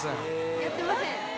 やってません？